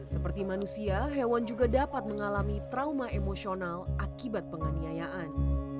seperti manusia hewan juga dapat mengalami trauma emosional akibat penganiayaan